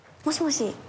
もしもし。